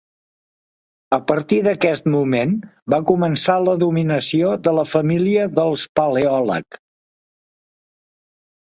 A partir d'aquest moment va començar la dominació de la família dels Paleòleg.